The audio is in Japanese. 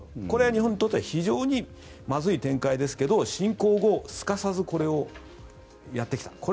これは日本にとっては非常にまずい展開ですけど侵攻後すかさずこれをやってきた。